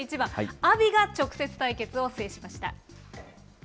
阿炎が直接対決を制しました。